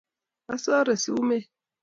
asure sumek